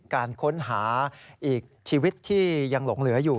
การค้นหาอีกชีวิตที่ยังหลงเหลืออยู่